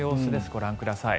ご覧ください。